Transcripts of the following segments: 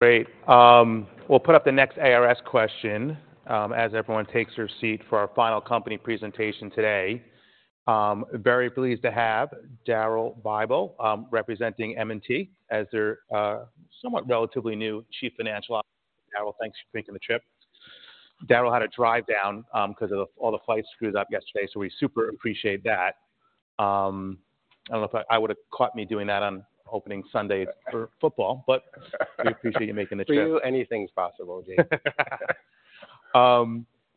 Great. We'll put up the next ARS question, as everyone takes their seat for our final company presentation today. Very pleased to have Daryl Bible, representing M&T, as their somewhat relatively new Chief Financial Officer. Daryl, thanks for making the trip. Daryl had to drive down, because of all the flights screwed up yesterday, so we super appreciate that. I don't know if I would've caught me doing that on opening Sunday for football, but we appreciate you making the trip. For you, anything's possible, James.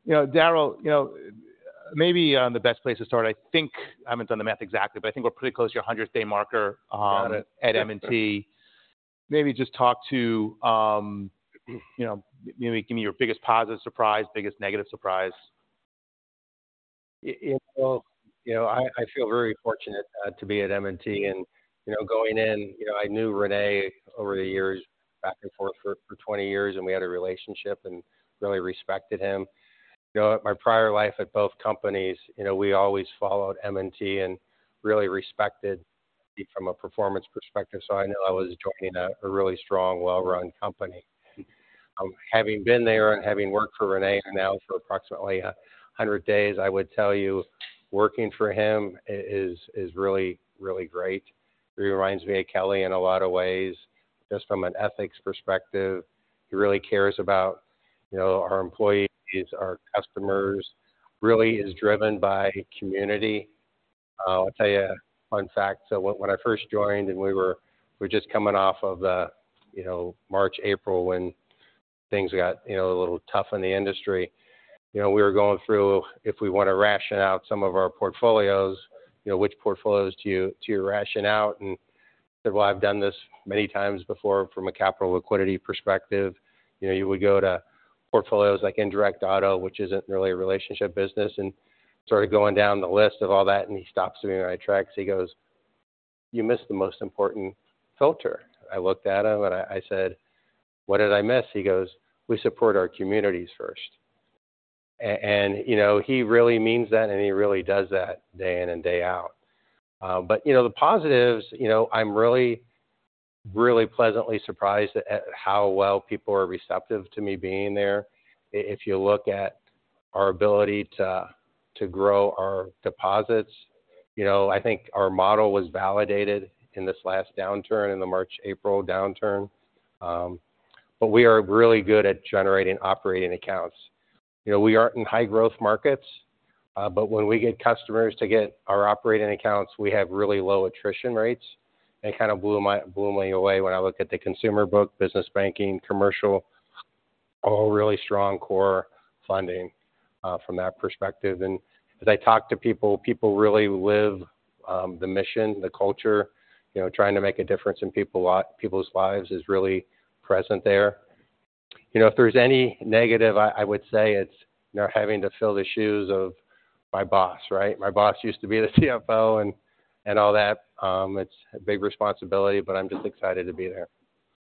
You know, Daryl, you know, maybe the best place to start, I think I haven't done the math exactly, but I think we're pretty close to your 100-day marker. Got it. At M&T. Maybe just talk to, you know, maybe give me your biggest positive surprise, biggest negative surprise. I feel very fortunate to be at M&T, and you know, going in, you know, I knew René over the years, back and forth for 20 years, and we had a relationship and really respected him. You know, at my prior life at both companies, you know, we always followed M&T and really respected from a performance perspective, so I knew I was joining a really strong, well-run company. Having been there and having worked for René now for approximately 100 days, I would tell you, working for him is really, really great. He reminds me of Kelly in a lot of ways, just from an ethics perspective. He really cares about, you know, our employees, our customers. Really is driven by community. I'll tell you a fun fact. So when I first joined and we were just coming off of the, you know, March, April, when things got, you know, a little tough in the industry. You know, we were going through if we want to ration out some of our portfolios, you know, which portfolios do you ration out? And said, "Well, I've done this many times before from a capital liquidity perspective." You know, you would go to portfolios like indirect auto, which isn't really a relationship business, and started going down the list of all that, and he stops me in my tracks. He goes, "You missed the most important filter." I looked at him, and I said: What did I miss? He goes, "We support our communities first." And, you know, he really means that, and he really does that day in and day out. But, you know, the positives, you know, I'm really, really pleasantly surprised at how well people are receptive to me being there. If you look at our ability to grow our deposits, you know, I think our model was validated in this last downturn, in the March, April downturn. But we are really good at generating operating accounts. You know, we aren't in high growth markets, but when we get customers to get our operating accounts, we have really low attrition rates. It kind of blew me away when I look at the consumer book, business banking, commercial, all really strong core funding, from that perspective. And as I talk to people, people really live the mission, the culture. You know, trying to make a difference in people's lives is really present there. You know, if there's any negative, I would say it's, you know, having to fill the shoes of my boss, right? My boss used to be the CFO and all that. It's a big responsibility, but I'm just excited to be there.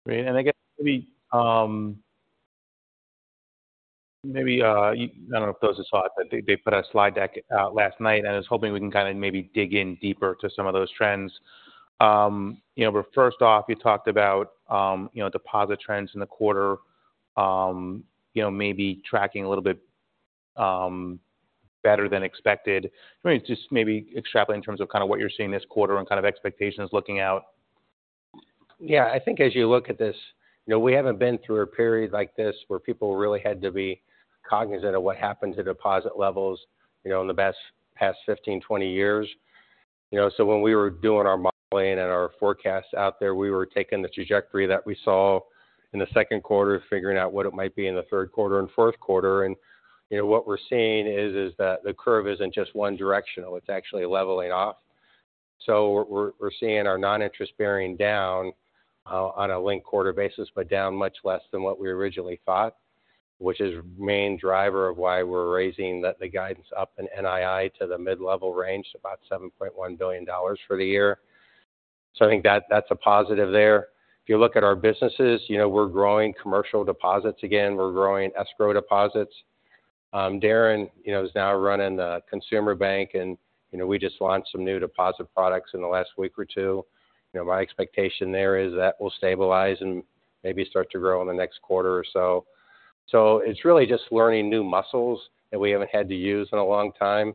Great. And I guess, maybe, I don't know if those are slides, but they put a slide deck out last night, and I was hoping we can kind of maybe dig in deeper to some of those trends. You know, but first off, you talked about, you know, deposit trends in the quarter, maybe tracking a little bit, better than expected. Maybe just extrapolate in terms of kind of what you're seeing this quarter and kind of expectations looking out. Yeah, I think as you look at this, you know, we haven't been through a period like this, where people really had to be cognizant of what happened to deposit levels, you know, in the past 15 years, 20 years. You know, so when we were doing our modeling and our forecasts out there, we were taking the trajectory that we saw in the second quarter, figuring out what it might be in the third quarter and fourth quarter. And, you know, what we're seeing is, is that the curve isn't just one directional. It's actually leveling off. So we're, we're seeing our non-interest bearing down on a linked quarter basis, but down much less than what we originally thought, which is the main driver of why we're raising the, the guidance up in NII to the mid-level range, about $7.1 billion for the year. So I think that's a positive there. If you look at our businesses, you know, we're growing commercial deposits again. We're growing escrow deposits. Darren, you know, is now running the consumer bank, and, you know, we just launched some new deposit products in the last week or two. You know, my expectation there is that will stabilize and maybe start to grow in the next quarter or so. So it's really just learning new muscles that we haven't had to use in a long time.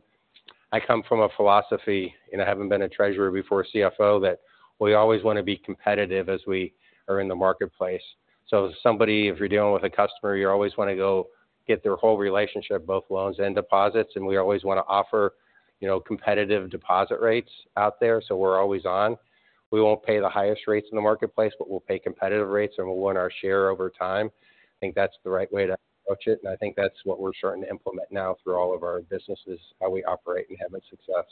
I come from a philosophy, and I haven't been a treasurer before, CFO, that we always want to be competitive as we are in the marketplace. So if somebody... If you're dealing with a customer, you always want to go get their whole relationship, both loans and deposits, and we always want to offer, you know, competitive deposit rates out there, so we're always on. We won't pay the highest rates in the marketplace, but we'll pay competitive rates, and we'll win our share over time. I think that's the right way to approach it, and I think that's what we're starting to implement now through all of our businesses, how we operate and having success.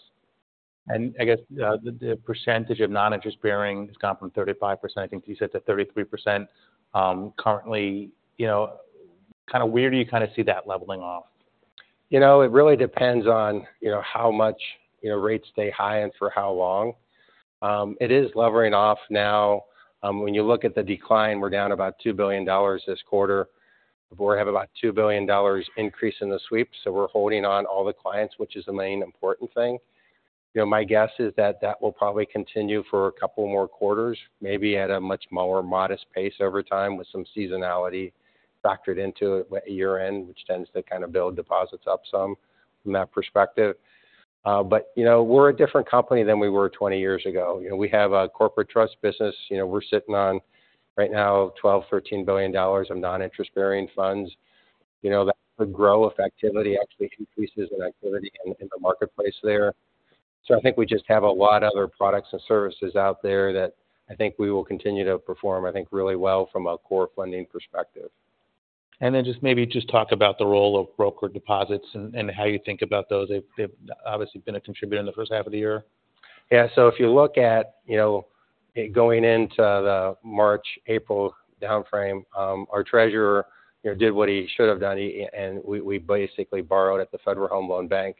I guess the percentage of non-interest bearing has gone from 35%, I think you said, to 33% currently. You know, kind of where do you kind of see that leveling off? You know, it really depends on, you know, how much, you know, rates stay high and for how long. It is leveling off now. When you look at the decline, we're down about $2 billion this quarter. We have about $2 billion increase in the sweep, so we're holding on all the clients, which is the main important thing. You know, my guess is that that will probably continue for a couple more quarters, maybe at a much more modest pace over time, with some seasonality factored into it year-end, which tends to kind of build deposits up some from that perspective. But, you know, we're a different company than we were 20 years ago. You know, we have a corporate trust business. You know, we're sitting on, right now, $12billion-$13 billion of non-interest-bearing funds. You know, that could grow if activity actually increases in activity in the marketplace there. So I think we just have a lot of other products and services out there that I think we will continue to perform, I think, really well from a core funding perspective. And then just maybe talk about the role of brokered deposits and how you think about those. They've obviously been a contributor in the first half of the year. Yeah. So if you look at, you know, going into the March, April down frame, our treasurer, you know, did what he should have done, he and we basically borrowed at the Federal Home Loan Bank.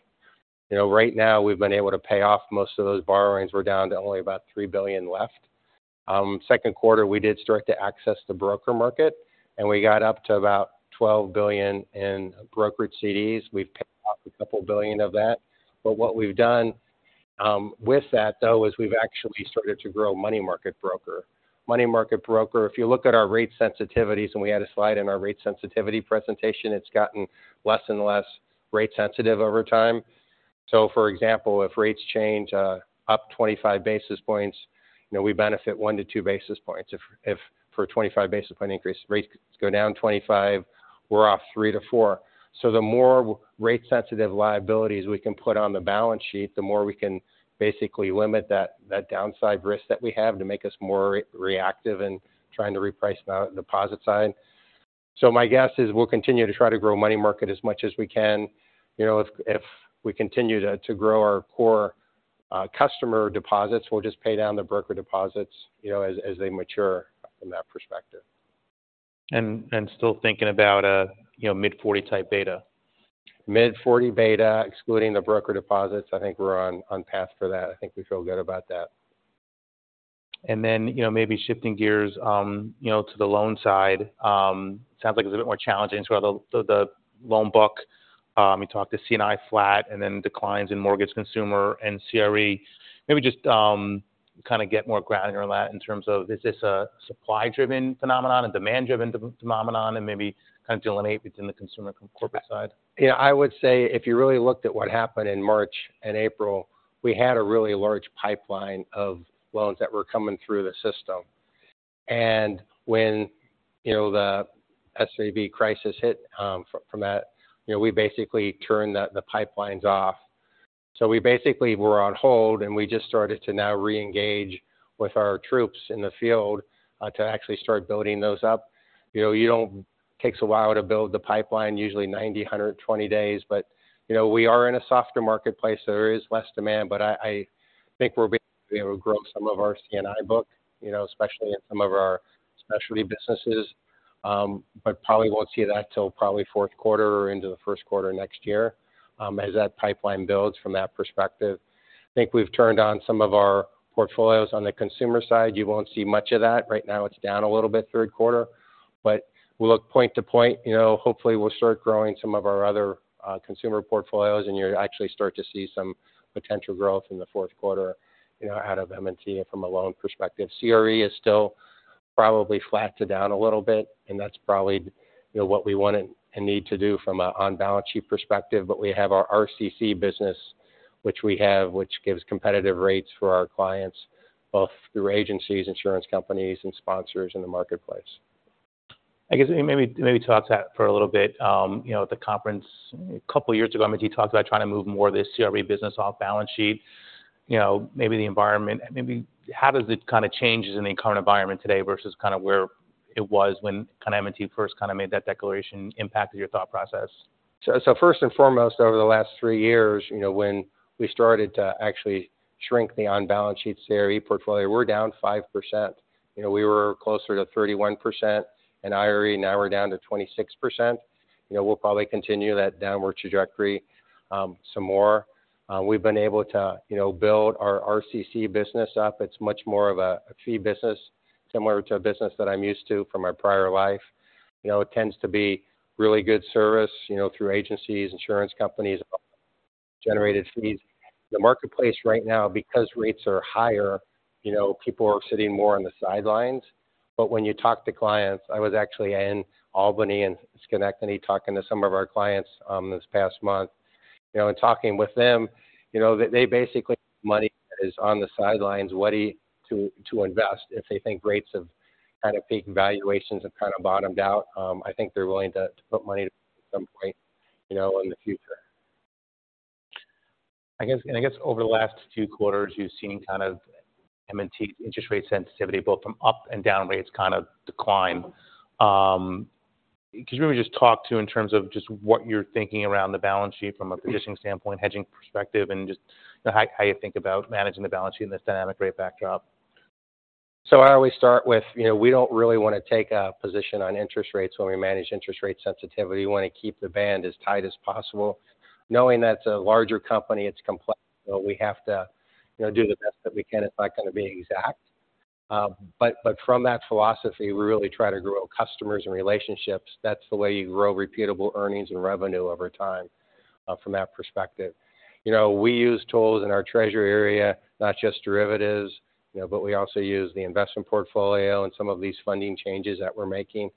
You know, right now we've been able to pay off most of those borrowings. We're down to only about $3 billion left. Second quarter, we did start to access the broker market, and we got up to about $12 billion in brokered CDs. We've paid off a couple billion of that, but what we've done with that, though, is we've actually started to grow money market brokered. Money market brokered, if you look at our rate sensitivities, and we had a slide in our rate sensitivity presentation, it's gotten less and less rate sensitive over time. So for example, if rates change up 25 basis points, you know, we benefit 1 basis point-2 basis points. If for a 25 basis point increase, rates go down 25, we're off 3 basis points-4 basis points. So the more rate-sensitive liabilities we can put on the balance sheet, the more we can basically limit that downside risk that we have to make us more re-reactive in trying to reprice the deposit side. So my guess is we'll continue to try to grow money market as much as we can. You know, if we continue to grow our core customer deposits, we'll just pay down the broker deposits, you know, as they mature from that perspective. still thinking about a, you know, mid-40 type beta? Mid-40 beta, excluding the broker deposits, I think we're on path for that. I think we feel good about that. And then, you know, maybe shifting gears, you know, to the loan side. Sounds like it's a bit more challenging to the loan book. You talked to C&I flat and then declines in mortgage consumer and CRE. Maybe just kind of get more granular on that in terms of, is this a supply-driven phenomenon, a demand-driven phenomenon, and maybe kind of delineate between the consumer corporate side? Yeah, I would say if you really looked at what happened in March and April, we had a really large pipeline of loans that were coming through the system. And when, you know, the SVB crisis hit, from that, you know, we basically turned the pipelines off. So we basically were on hold, and we just started to now reengage with our troops in the field to actually start building those up. You know, it takes a while to build the pipeline, usually 90-120 days. But, you know, we are in a softer marketplace, so there is less demand, but I think we're being able to grow some of our C&I book, you know, especially in some of our specialty businesses. But probably won't see that till probably fourth quarter or into the first quarter next year, as that pipeline builds from that perspective. I think we've turned on some of our portfolios. On the consumer side, you won't see much of that. Right now, it's down a little bit third quarter. But we'll look point to point, you know, hopefully we'll start growing some of our other, consumer portfolios, and you'll actually start to see some potential growth in the fourth quarter, you know, out of M&T from a loan perspective. CRE is still probably flat to down a little bit, and that's probably, you know, what we want and need to do from a on-balance sheet perspective. But we have our RCC business, which we have, which gives competitive rates for our clients, both through agencies, insurance companies, and sponsors in the marketplace. I guess maybe, maybe talk to that for a little bit. You know, at the conference a couple of years ago, M&T talked about trying to move more of this CRE business off balance sheet. You know, maybe the environment, maybe how does it kind of change in the current environment today versus kind of where it was when kind of M&T first kind of made that declaration impacted your thought process? So, first and foremost, over the last three years, you know, when we started to actually shrink the on-balance sheet CRE portfolio, we're down 5%. You know, we were closer to 31% in IRE, now we're down to 26%. You know, we'll probably continue that downward trajectory some more. We've been able to, you know, build our RCC business up. It's much more of a fee business, similar to a business that I'm used to from my prior life. You know, it tends to be really good service, you know, through agencies, insurance companies, generated fees. The marketplace right now, because rates are higher, you know, people are sitting more on the sidelines. But when you talk to clients, I was actually in Albany, in Schenectady, talking to some of our clients this past month. You know, and talking with them, you know, they basically money is on the sidelines, ready to invest. If they think rates have kind of peaked, valuations have kind of bottomed out, I think they're willing to put money at some point, you know, in the future. I guess, and I guess over the last few quarters, you've seen kind of M&T interest rate sensitivity, both from up and down rates, kind of decline. Could you maybe just talk to in terms of just what you're thinking around the balance sheet from a positioning standpoint, hedging perspective, and just, you know, how you think about managing the balance sheet in this dynamic rate backdrop? So I always start with, you know, we don't really want to take a position on interest rates when we manage interest rate sensitivity. We want to keep the band as tight as possible. Knowing that it's a larger company, it's complex, so we have to, you know, do the best that we can. It's not going to be exact.... But from that philosophy, we really try to grow customers and relationships. That's the way you grow repeatable earnings and revenue over time, from that perspective. You know, we use tools in our treasury area, not just derivatives, you know, but we also use the investment portfolio and some of these funding changes that we're making.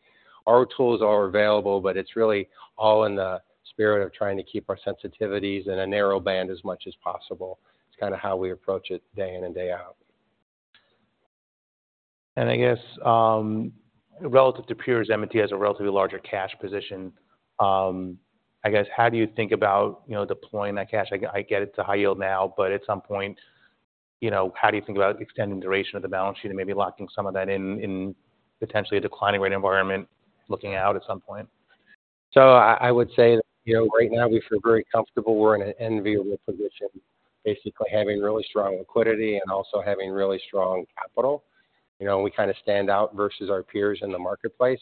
Our tools are available, but it's really all in the spirit of trying to keep our sensitivities in a narrow band as much as possible. It's kind of how we approach it day in and day out. I guess, relative to peers, M&T has a relatively larger cash position. I guess, how do you think about, you know, deploying that cash? I get it's a high yield now, but at some point, you know, how do you think about extending the duration of the balance sheet and maybe locking some of that in, potentially a declining rate environment, looking out at some point? So I would say, you know, right now we feel very comfortable. We're in an enviable position, basically having really strong liquidity and also having really strong capital. You know, we kind of stand out versus our peers in the marketplace.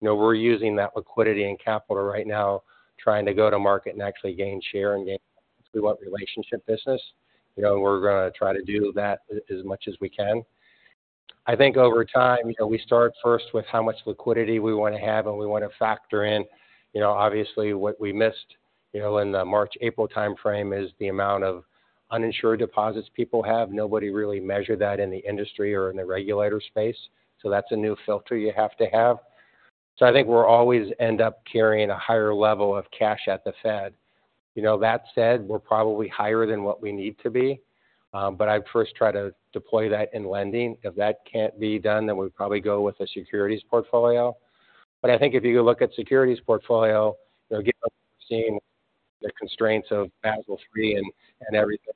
You know, we're using that liquidity and capital right now, trying to go to market and actually gain share and gain. We want relationship business. You know, we're going to try to do that as much as we can. I think over time, you know, we start first with how much liquidity we want to have, and we want to factor in. You know, obviously, what we missed, you know, in the March, April time frame is the amount of uninsured deposits people have. Nobody really measured that in the industry or in the regulator space, so that's a new filter you have to have. I think we're always end up carrying a higher level of cash at the Fed. You know, that said, we're probably higher than what we need to be, but I'd first try to deploy that in lending. If that can't be done, then we'd probably go with a securities portfolio. But I think if you look at securities portfolio, you know, given seeing the constraints of Basel III and everything,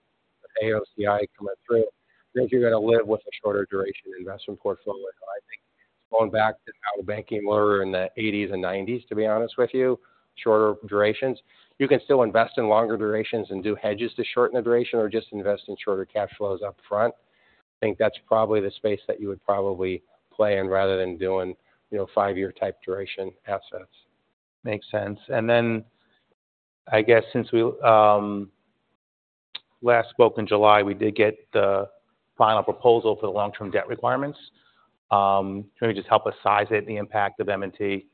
AOCI coming through, I think you're going to live with a shorter duration investment portfolio. I think going back to how banking were in the 1980s and 1990s, to be honest with you, shorter durations. You can still invest in longer durations and do hedges to shorten the duration or just invest in shorter cash flows upfront. I think that's probably the space that you would probably play in, rather than doing, you know, five-year type duration assets. Makes sense. And then, I guess since we last spoke in July, we did get the final proposal for the long-term debt requirements. Can you just help us size it, the impact of M&T?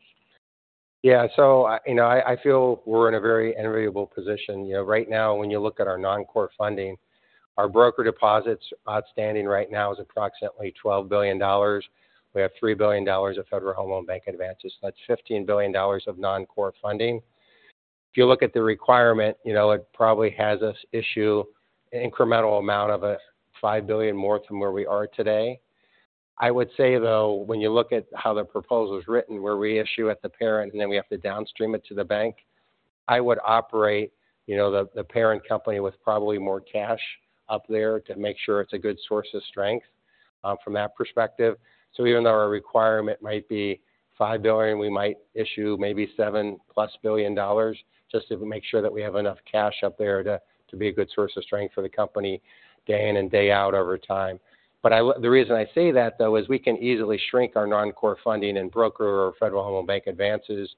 Yeah. So, you know, I, I feel we're in a very enviable position. You know, right now, when you look at our non-core funding, our broker deposits outstanding right now is approximately $12 billion. We have $3 billion of Federal Home Loan Bank advances. That's $15 billion of non-core funding. If you look at the requirement, you know, it probably has us issue an incremental amount of $5 billion more from where we are today. I would say, though, when you look at how the proposal is written, where we issue at the parent, and then we have to downstream it to the bank, I would operate, you know, the, the parent company with probably more cash up there to make sure it's a good source of strength from that perspective. So even though our requirement might be $5 billion, we might issue maybe $7+ billion dollars just to make sure that we have enough cash up there to, to be a good source of strength for the company day in and day out over time. But I—the reason I say that, though, is we can easily shrink our non-core funding in brokered or Federal Home Loan Bank advances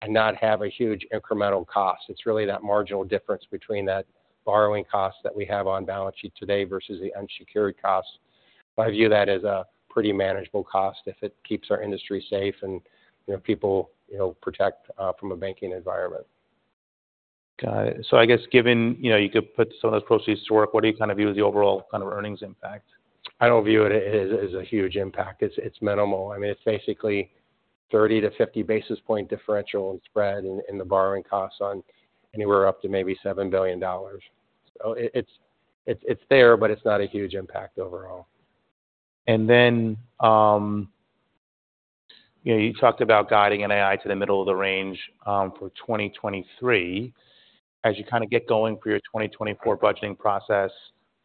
and not have a huge incremental cost. It's really that marginal difference between that borrowing cost that we have on balance sheet today versus the unsecured cost. I view that as a pretty manageable cost if it keeps our industry safe and, you know, people, you know, protect from a banking environment. Got it. So I guess given, you know, you could put some of those proceeds to work, what do you kind of view as the overall kind of earnings impact? I don't view it as a huge impact. It's minimal. I mean, it's basically 30 basis point-50 basis point differential in spread in the borrowing costs on anywhere up to maybe $7 billion. So it's there, but it's not a huge impact overall. Then, you know, you talked about guiding NII to the middle of the range for 2023. As you kind of get going for your 2024 budgeting process,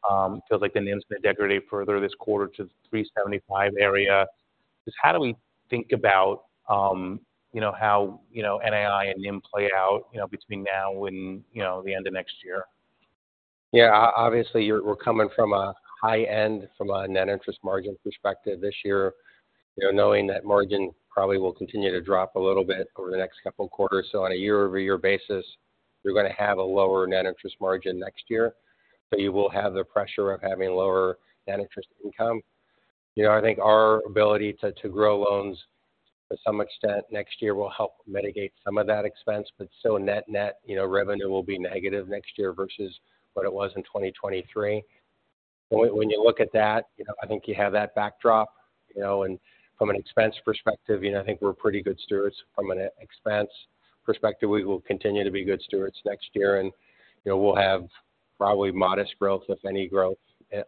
it feels like the NIMs may decelerate further this quarter to the 3.75 area. Just how do we think about, you know, how, you know, NII and NIM play out, you know, between now and, you know, the end of next year? Yeah, obviously, we're coming from a high end from a net interest margin perspective this year. You know, knowing that margin probably will continue to drop a little bit over the next couple of quarters. So on a year-over-year basis, you're going to have a lower net interest margin next year, so you will have the pressure of having lower net interest income. You know, I think our ability to grow loans to some extent next year will help mitigate some of that expense, but so net-net, you know, revenue will be negative next year versus what it was in 2023. When you look at that, you know, I think you have that backdrop, you know, and from an expense perspective, you know, I think we're pretty good stewards. From an expense perspective, we will continue to be good stewards next year, and, you know, we'll have probably modest growth, if any growth,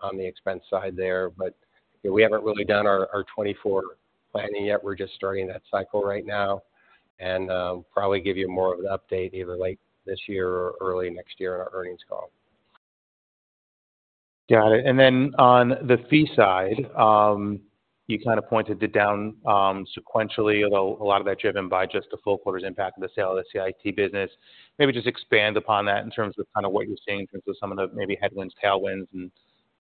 on the expense side there. But, you know, we haven't really done our, our 2024 planning yet. We're just starting that cycle right now and, probably give you more of an update either late this year or early next year in our earnings call. Got it. And then on the fee side, you kind of pointed it down, sequentially, although a lot of that driven by just the full quarter's impact of the sale of the CIT business. Maybe just expand upon that in terms of kind of what you're seeing in terms of some of the maybe headwinds, tailwinds, and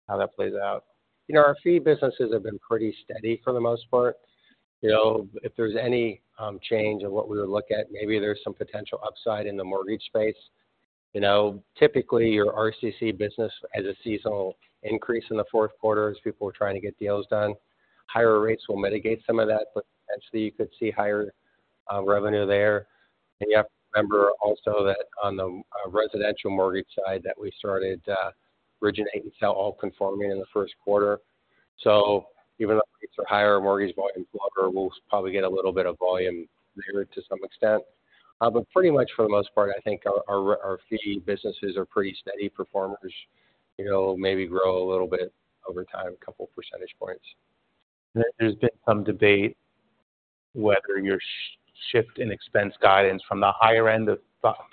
how that plays out. You know, our fee businesses have been pretty steady for the most part. You know, if there's any, change in what we would look at, maybe there's some potential upside in the mortgage space... you know, typically, your RCC business has a seasonal increase in the fourth quarter as people are trying to get deals done. Higher rates will mitigate some of that, but potentially you could see higher, revenue there. And you have to remember also that on the, residential mortgage side, that we started, originate and sell all conforming in the first quarter. So even though rates are higher, mortgage volumes are lower, we'll probably get a little bit of volume there to some extent. But pretty much for the most part, I think our, our, our fee businesses are pretty steady performers. You know, maybe grow a little bit over time, a couple of percentage points. There's been some debate whether your shift in expense guidance from the higher end of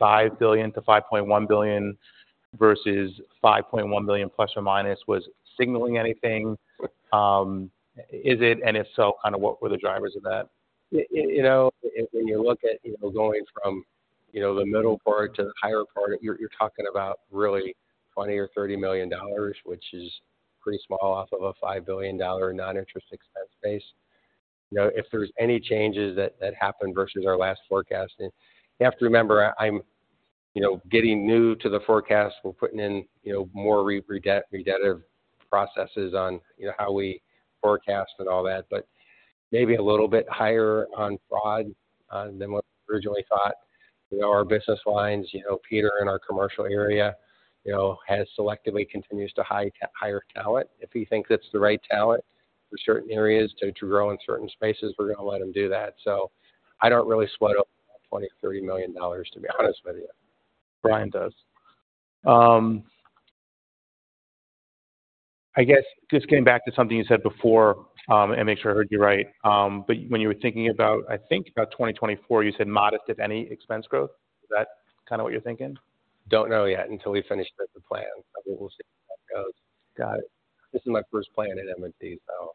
$5 billion-$5.1 billion versus $5.1 billion plus or minus was signaling anything. Is it, and if so, kind of what were the drivers of that? You know, when you look at, you know, going from, you know, the middle part to the higher part, you're talking about really $20 million or $30 million, which is pretty small off of a $5 billion noninterest expense base. You know, if there's any changes that happened versus our last forecast, and you have to remember, I'm, you know, getting new to the forecast. We're putting in, you know, more redemptive processes on, you know, how we forecast and all that, but maybe a little bit higher on fraud than what we originally thought. You know, our business lines, you know, Peter, in our commercial area, you know, has selectively continues to hire talent. If he thinks it's the right talent for certain areas to grow in certain spaces, we're going to let him do that. I don't really sweat over $20 million-$30 million, to be honest with you. Brian does. I guess just getting back to something you said before, and make sure I heard you right. But when you were thinking about, I think about 2024, you said modest, if any, expense growth. Is that kind of what you're thinking? Don't know yet, until we finish the plan. We will see how it goes. Got it. This is my first plan at M&T, so.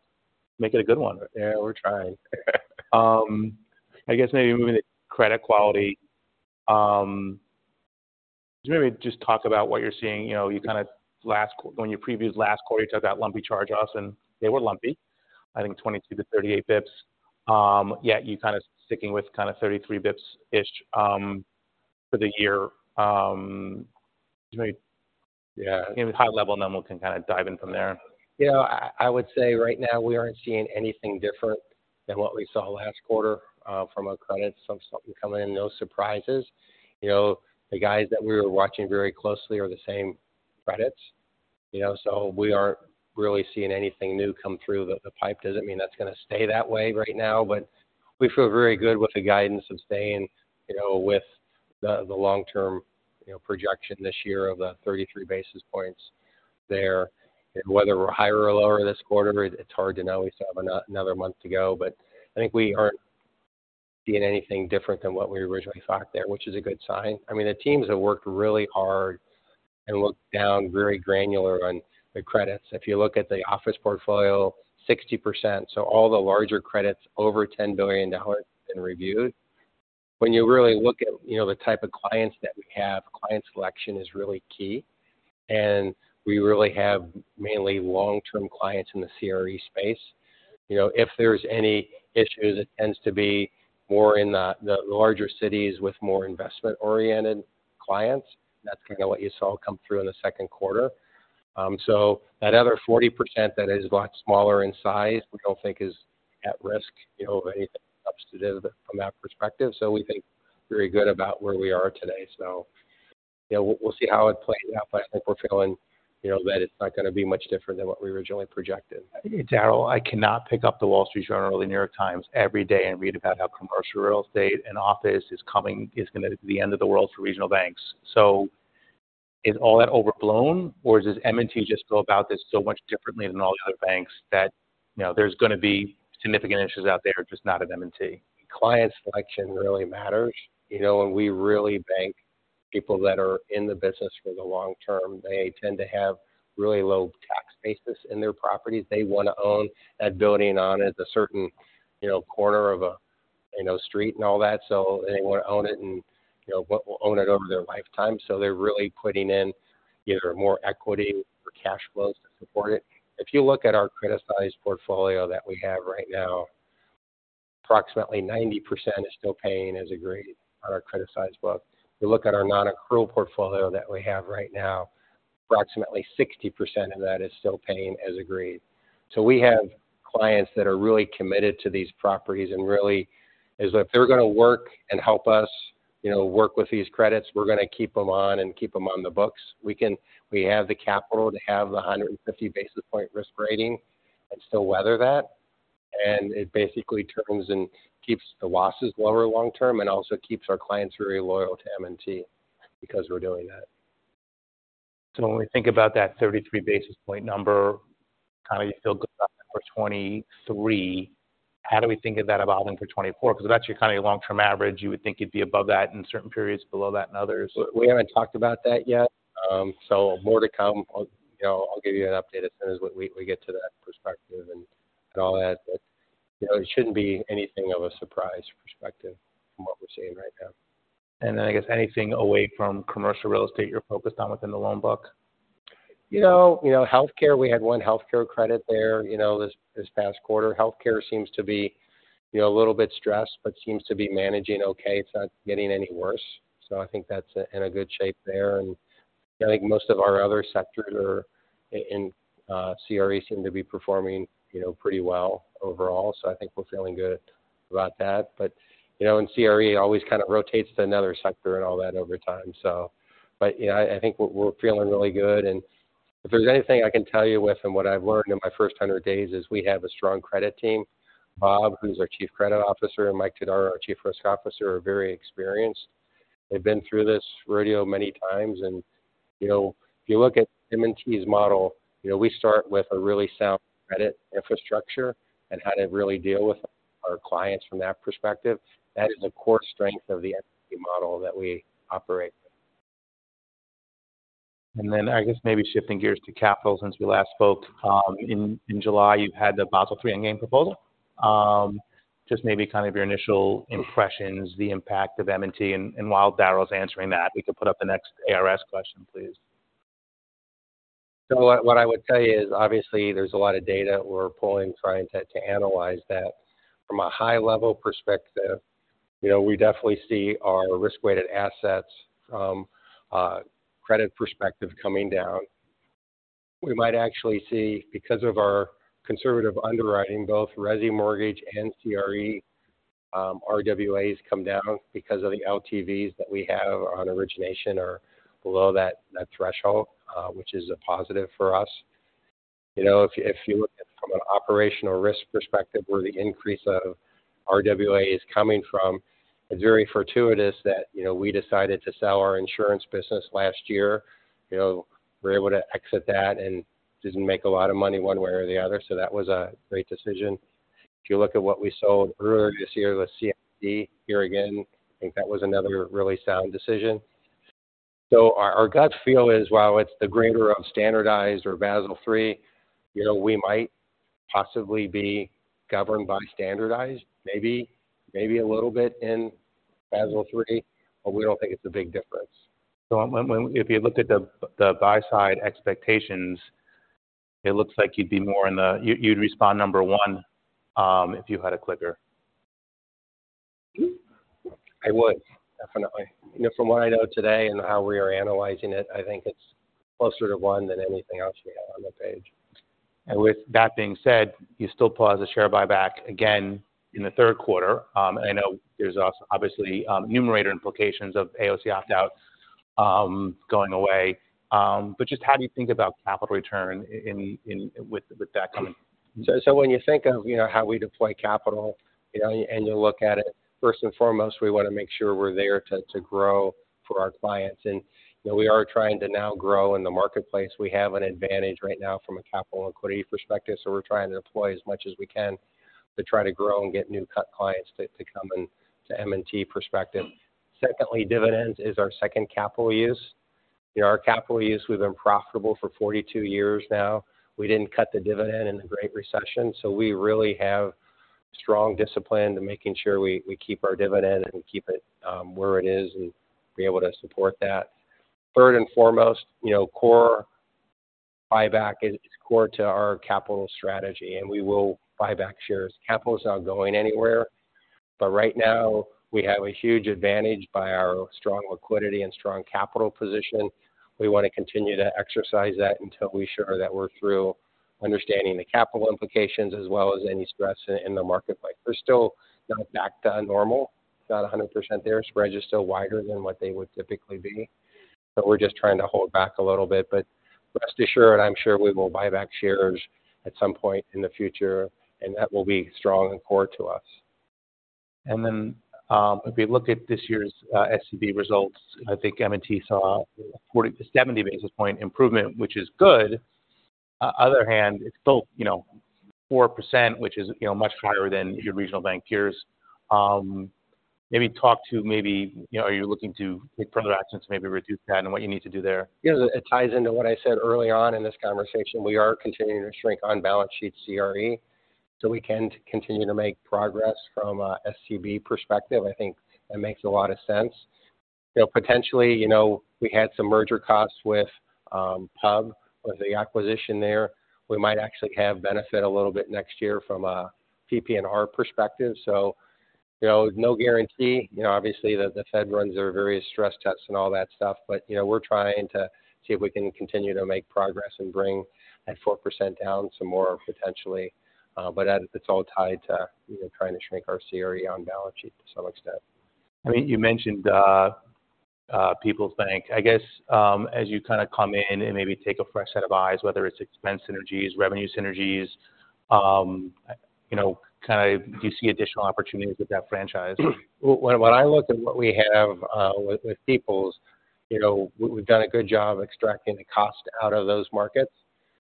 Make it a good one. Yeah, we're trying. I guess maybe moving to credit quality. Maybe just talk about what you're seeing. You know, you kind of last quarter, when your previous last quarter, you took that lumpy charge-offs, and they were lumpy, I think 22-38 basis points. Yet you kind of sticking with kind of 33 basis points-ish for the year. Maybe- Yeah. Give a high level number, we can kind of dive in from there. Yeah. I would say right now, we aren't seeing anything different than what we saw last quarter from a credit stuff coming in, no surprises. You know, the guys that we're watching very closely are the same credits, you know, so we aren't really seeing anything new come through the pipe. Doesn't mean that's going to stay that way right now, but we feel very good with the guidance of staying, you know, with the long-term projection this year of the 33 basis points there. Whether we're higher or lower this quarter, it's hard to know. We still have another month to go, but I think we aren't seeing anything different than what we originally thought there, which is a good sign. I mean, the teams have worked really hard and looked down very granular on the credits. If you look at the office portfolio, 60%, so all the larger credits over $10 billion have been reviewed. When you really look at, you know, the type of clients that we have, client selection is really key, and we really have mainly long-term clients in the CRE space. You know, if there's any issue that tends to be more in the, the larger cities with more investment-oriented clients, that's kind of what you saw come through in the second quarter. So that other 40% that is a lot smaller in size, we don't think is at risk, you know, of anything substantive from that perspective. So we think very good about where we are today. So, you know, we'll see how it plays out, but I think we're feeling, you know, that it's not going to be much different than what we originally projected. Daryl, I cannot pick up the Wall Street Journal or the New York Times every day and read about how commercial real estate and office is going to be the end of the world for regional banks. So is all that overblown, or does M&T just go about this so much differently than all the other banks that, you know, there's going to be significant issues out there, just not at M&T? Client selection really matters. You know, when we really bank people that are in the business for the long term, they tend to have really low tax basis in their properties. They want to own that building on it, a certain, you know, corner of a, you know, street and all that, so they want to own it and, you know, will own it over their lifetime. So they're really putting in either more equity or cash flows to support it. If you look at our criticized portfolio that we have right now, approximately 90% is still paying as agreed on our criticized book. If you look at our non-accrual portfolio that we have right now, approximately 60% of that is still paying as agreed. So we have clients that are really committed to these properties, and really, is if they're going to work and help us, you know, work with these credits, we're going to keep them on and keep them on the books. We have the capital to have a 150 basis point risk rating and still weather that, and it basically terms and keeps the losses lower long term, and also keeps our clients very loyal to M&T because we're doing that. So when we think about that 33 basis point number, kind of you feel good about for 2023, how do we think of that evolving for 2024? Because that's your kind of long-term average. You would think you'd be above that in certain periods, below that in others. We haven't talked about that yet, so more to come. I'll, you know, I'll give you an update as soon as we get to that perspective and all that. But, you know, it shouldn't be anything of a surprise perspective from what we're seeing right now. And then, I guess anything away from commercial real estate you're focused on within the loan book?... You know, healthcare, we had one healthcare credit there, you know, this past quarter. Healthcare seems to be, you know, a little bit stressed, but seems to be managing okay. It's not getting any worse. So I think that's in a good shape there. And I think most of our other sectors are in CRE seem to be performing, you know, pretty well overall. So I think we're feeling good about that. But, you know, in CRE, it always kind of rotates to another sector and all that over time. So, yeah, I think we're feeling really good, and if there's anything I can tell you with, and what I've learned in my first 100 days, is we have a strong credit team. Bob, who's our Chief Credit Officer, and Mike Todaro, our Chief Risk Officer, are very experienced. They've been through this rodeo many times, and, you know, if you look at M&T's model, you know, we start with a really sound credit infrastructure and how to really deal with our clients from that perspective. That is a core strength of the M&T model that we operate. And then, I guess, maybe shifting gears to capital, since we last spoke in July, you've had the Basel III endgame proposal. Just maybe kind of your initial impressions, the impact of M&T, and while Daryl's answering that, we could put up the next ARS question, please. So what, what I would tell you is, obviously, there's a lot of data we're pulling, trying to, to analyze that. From a high-level perspective, you know, we definitely see our risk-weighted assets from a credit perspective coming down. We might actually see, because of our conservative underwriting, both resi mortgage and CRE, RWAs come down because of the LTVs that we have on origination are below that, that threshold, which is a positive for us. You know, if you, if you look at it from an operational risk perspective, where the increase of RWA is coming from, it's very fortuitous that, you know, we decided to sell our insurance business last year. You know, we were able to exit that and didn't make a lot of money one way or the other, so that was a great decision. If you look at what we sold earlier this year, the CIT, here again, I think that was another really sound decision. So our gut feel is, while it's the greater of standardized or Basel III, you know, we might possibly be governed by standardized, maybe, maybe a little bit in Basel III, but we don't think it's a big difference. So when if you looked at the buy side expectations, it looks like you'd be more in the... You'd respond, number one, if you had a clicker. I would, definitely. You know, from what I know today and how we are analyzing it, I think it's closer to one than anything else we have on the page. With that being said, you still pause the share buyback again in the third quarter. I know there's obviously numerator implications of AOCI opt-out going away. But just how do you think about capital return in with that coming? So when you think of, you know, how we deploy capital, you know, and you look at it, first and foremost, we want to make sure we're there to grow for our clients. And, you know, we are trying to now grow in the marketplace. We have an advantage right now from a capital and equity perspective, so we're trying to deploy as much as we can to try to grow and get new cut clients to come in to M&T perspective. Secondly, dividends is our second capital use. You know, our capital use, we've been profitable for 42 years now. We didn't cut the dividend in the Great Recession, so we really have strong discipline to making sure we keep our dividend and keep it where it is and be able to support that. Third and foremost, you know, core buyback is core to our capital strategy, and we will buy back shares. Capital is not going anywhere, but right now we have a huge advantage by our strong liquidity and strong capital position. We want to continue to exercise that until we are sure that we're through understanding the capital implications, as well as any stress in the marketplace. We're still not back to normal, not 100% there. Spreads are still wider than what they would typically be, but we're just trying to hold back a little bit. But rest assured, I'm sure we will buy back shares at some point in the future, and that will be strong and core to us. If we look at this year's SCB results, I think M&T saw a 40 basis point-70 basis point improvement, which is good. On the other hand, it's still, you know, 4%, which is, you know, much higher than your regional bank peers. Maybe talk to maybe, you know, are you looking to take further actions to maybe reduce that and what you need to do there? You know, it ties into what I said early on in this conversation. We are continuing to shrink on-balance sheet CRE, so we can continue to make progress from a SCB perspective. I think it makes a lot of sense. You know, potentially, you know, we had some merger costs with PUB, with the acquisition there. We might actually have benefit a little bit next year from a PPNR perspective. So, you know, no guarantee. You know, obviously, the Fed runs their various stress tests and all that stuff, but, you know, we're trying to see if we can continue to make progress and bring that 4% down some more, potentially. But that, it's all tied to, you know, trying to shrink our CRE on-balance sheet to some extent. I mean, you mentioned People's Bank. I guess, as you kind of come in and maybe take a fresh set of eyes, whether it's expense synergies, revenue synergies, you know, kind of do you see additional opportunities with that franchise? When, when I look at what we have, with, with People's, you know, we've done a good job extracting the cost out of those markets.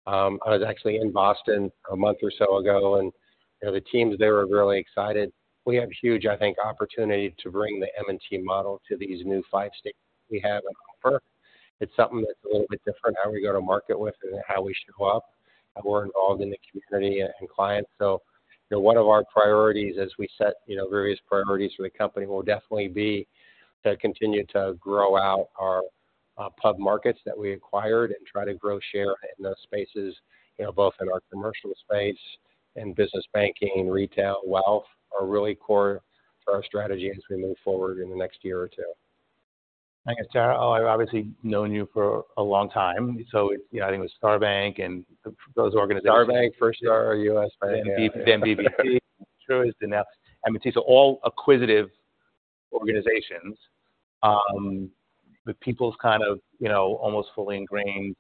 I was actually in Boston a month or so ago, and, you know, the teams there are really excited. We have huge, I think, opportunity to bring the M&T model to these new five states we have on offer. It's something that's a little bit different, how we go to market with and how we show up.... that we're involved in the community and clients. So, you know, one of our priorities as we set, you know, various priorities for the company will definitely be to continue to grow out our PUB markets that we acquired and try to grow share in those spaces, you know, both in our commercial space and business banking, retail, wealth, are really core to our strategy as we move forward in the next year or two. Thanks, Daryl. Oh, I've obviously known you for a long time, so it's, you know, I think it was Star Bank and those organizations- Star Bank, Firstar, or U.S. Bank. Then BB&T. Sure, it's been now. M&T, so all acquisitive organizations, with People's kind of, you know, almost fully ingrained,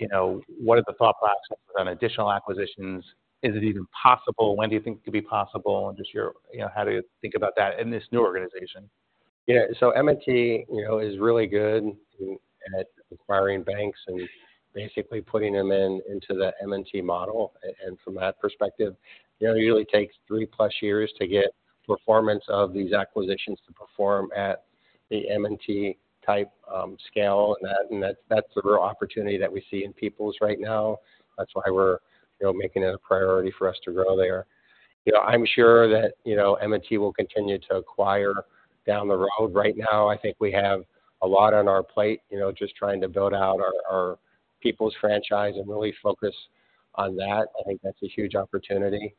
you know, what are the thought process on additional acquisitions? Is it even possible? When do you think it could be possible? And just your- you know, how do you think about that in this new organization? Yeah. So M&T, you know, is really good at acquiring banks and basically putting them into the M&T model. And from that perspective, you know, it usually takes three-plus years to get performance of these acquisitions to perform at the M&T type scale, and that's the real opportunity that we see in People's right now. That's why we're, you know, making it a priority for us to grow there. You know, I'm sure that, you know, M&T will continue to acquire down the road. Right now, I think we have a lot on our plate, you know, just trying to build out our People's franchise and really focus on that. I think that's a huge opportunity.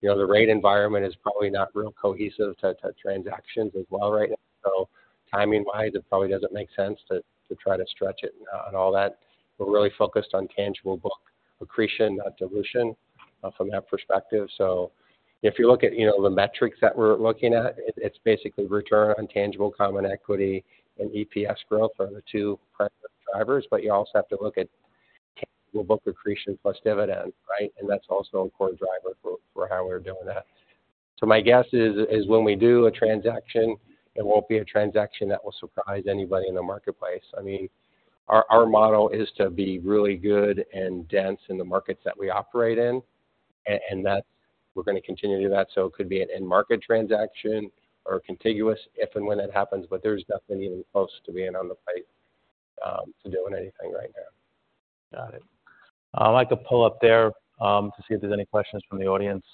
You know, the rate environment is probably not real cohesive to transactions as well right now. So timing-wise, it probably doesn't make sense to try to stretch it and, all that. We're really focused on tangible book accretion, not dilution, from that perspective. So if you look at, you know, the metrics that we're looking at, it's basically return on tangible common equity and EPS growth are the two primary drivers. But you also have to look at the book accretion plus dividend, right? And that's also a core driver for how we're doing that. So my guess is when we do a transaction, it won't be a transaction that will surprise anybody in the marketplace. I mean, our model is to be really good and dense in the markets that we operate in, and that's. We're going to continue to do that. So it could be an end market transaction or contiguous, if and when it happens, but there's nothing even close to being on the plate to doing anything right now. Got it. I'd like to pull up there to see if there's any questions from the audience.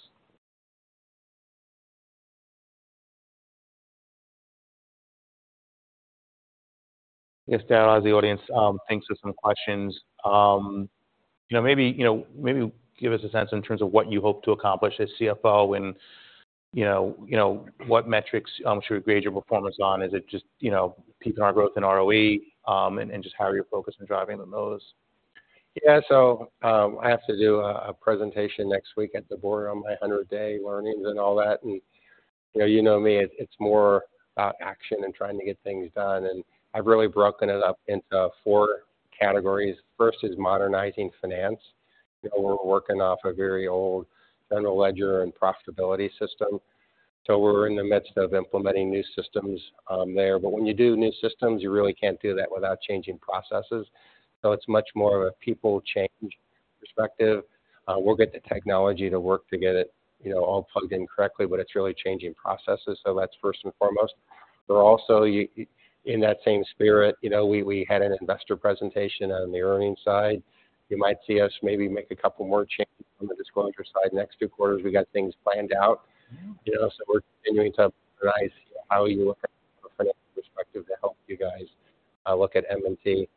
I guess, as the audience thinks of some questions. You know, maybe, you know, maybe give us a sense in terms of what you hope to accomplish as CFO and, you know, you know, what metrics should we grade your performance on? Is it just, you know, keeping our growth in ROE, and just how are you focused on driving on those? Yeah. So, I have to do a presentation next week at the board on my 100-day learnings and all that, and you know me, it's more about action and trying to get things done, and I've really broken it up into four categories. First is modernizing finance. You know, we're working off a very old general ledger and profitability system. So we're in the midst of implementing new systems there. But when you do new systems, you really can't do that without changing processes. So it's much more of a people change perspective. We'll get the technology to work to get it, you know, all plugged in correctly, but it's really changing processes. So that's first and foremost. But also, in that same spirit, you know, we had an investor presentation on the earnings side. You might see us maybe make a couple more changes on the disclosure side. Next two quarters, we got things planned out, you know, so we're continuing to how you look at it from a financial perspective to help you guys look at M&T.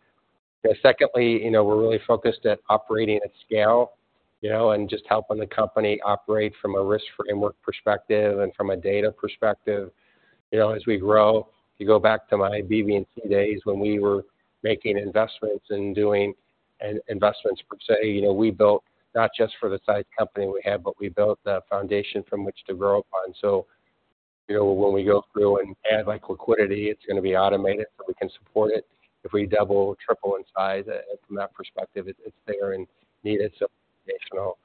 Secondly, you know, we're really focused at operating at scale, you know, and just helping the company operate from a risk framework perspective and from a data perspective. You know, as we grow, you go back to my BB&T days when we were making investments and doing an investments per se. You know, we built not just for the size company we have, but we built the foundation from which to grow upon. So, you know, when we go through and add like liquidity, it's going to be automated, so we can support it. If we double, triple in size, from that perspective, it's there and needed some additional.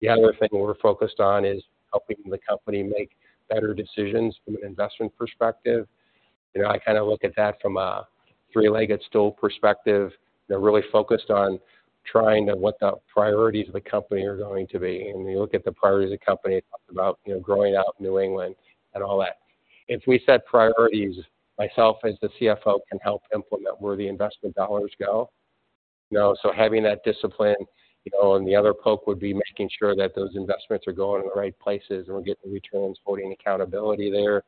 The other thing we're focused on is helping the company make better decisions from an investment perspective. You know, I kind of look at that from a three-legged stool perspective. They're really focused on trying to what the priorities of the company are going to be. When you look at the priorities of the company, talking about, you know, growing out New England and all that. If we set priorities, myself, as the CFO, can help implement where the investment dollars go. You know, so having that discipline, you know, and the other prong would be making sure that those investments are going in the right places, and we're getting returns, holding accountability there.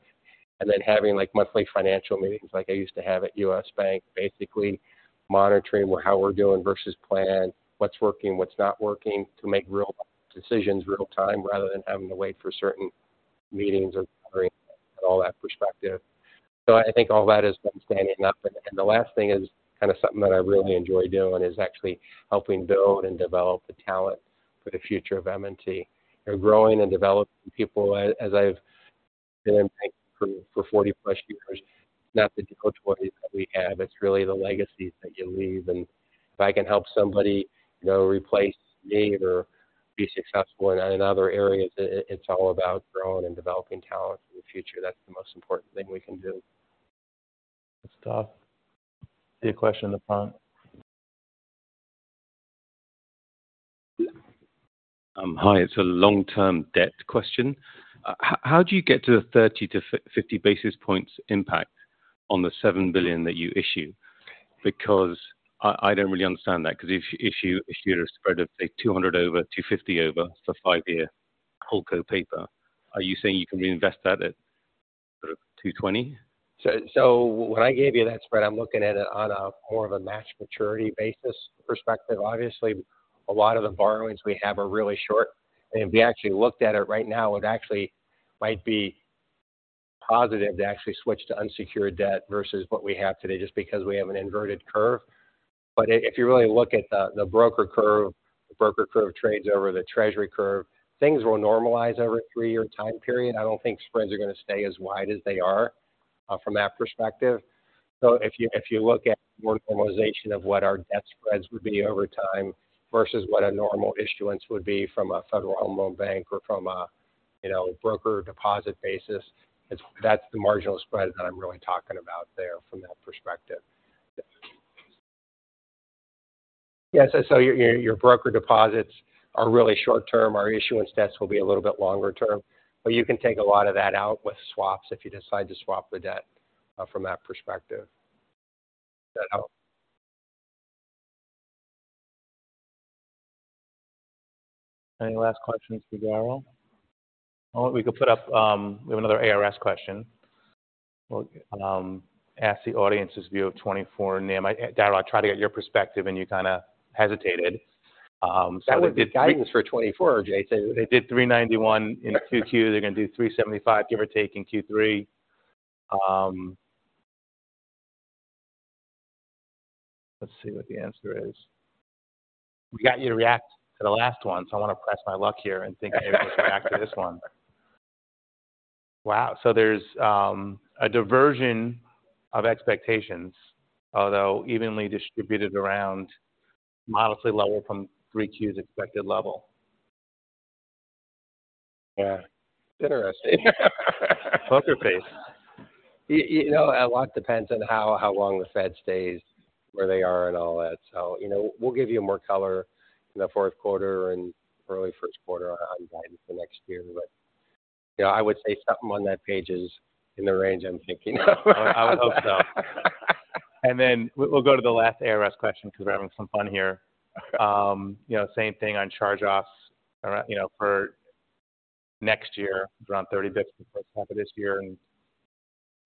And then having, like, monthly financial meetings like I used to have at U.S. Bank, basically monitoring where—how we're doing versus plan, what's working, what's not working, to make real decisions real-time, rather than having to wait for certain meetings or all that perspective. So I think all that is standing up. And the last thing is kind of something that I really enjoy doing, is actually helping build and develop the talent for the future of M&T. They're growing and developing people, as I've been in bank for, for 40-plus years, not the depositories that we have. It's really the legacies that you leave. And if I can help somebody, you know, replace me or be successful in, in other areas, it, it's all about growing and developing talent for the future. That's the most important thing we can do. Good stuff. See a question in the front? Hi, it's a long-term debt question. How do you get to the 30 basis points-50 basis points impact on the $7 billion that you issue? Because I don't really understand that, 'cause if you had a spread of, say, 200 over, 250 over for five-year whole co paper, are you saying you can reinvest that at sort of 220? So when I gave you that spread, I'm looking at it on a more of a match maturity basis perspective. Obviously, a lot of the borrowings we have are really short, and if we actually looked at it right now, it actually might be positive to actually switch to unsecured debt versus what we have today, just because we have an inverted curve. But if you really look at the broker curve, the broker curve trades over the treasury curve. Things will normalize over a three-year time period. I don't think spreads are going to stay as wide as they are from that perspective. So if you, if you look at more normalization of what our debt spreads would be over time versus what a normal issuance would be from a Federal Home Loan Bank or from a, you know, brokered deposit basis, it's, that's the marginal spread that I'm really talking about there from that perspective. Yes, so your, your brokered deposits are really short term. Our issuance debts will be a little bit longer term, but you can take a lot of that out with swaps if you decide to swap the debt, from that perspective. Does that help? Any last questions for Daryl? Well, we could put up, we have another ARS question. Well, ask the audience's view of 24 NIM. Daryl, I tried to get your perspective, and you kind of hesitated. So- That would be guidance for 2024, Jay. They did 391 in Q2. They're going to do 375, give or take, in Q3. Let's see what the answer is. We got you to react to the last one, so I want to press my luck here and think you're going to react to this one. Wow! So there's a diversion of expectations, although evenly distributed around, modestly lower from 3Q's expected level. Yeah. Interesting. Poker face. You know, a lot depends on how long the Fed stays where they are and all that. So, you know, we'll give you more color in the fourth quarter and early first quarter on guidance for next year. But, you know, I would say something on that page is in the range I'm thinking of. I would hope so. And then we'll go to the last ARS question because we're having some fun here. You know, same thing on charge-offs, all right. You know, for next year, around 30 basis points for the first half of this year and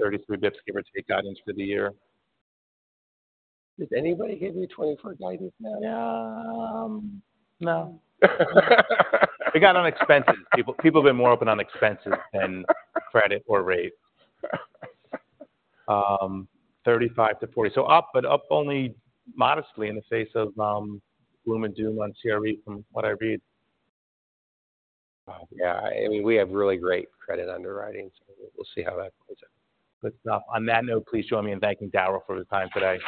33 basis points, give or take, guidance for the year. Did anybody give you 2024 guidance? No. They got on expenses. People, people have been more open on expenses than credit or rates. 35-40. So up, but up only modestly in the face of gloom and doom on CRE from what I read. Yeah. I mean, we have really great credit underwriting, so we'll see how that plays out. Good stuff. On that note, please join me in thanking Daryl for the time today.